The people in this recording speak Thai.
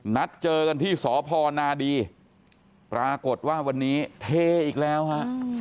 นัดเจอกันที่สพนาดีปรากฏว่าวันนี้เทอีกแล้วฮะ